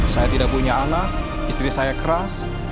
saya tidak punya anak istri saya keras